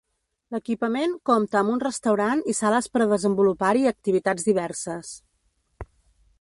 L’equipament compta amb un restaurant i sales per a desenvolupar-hi activitats diverses.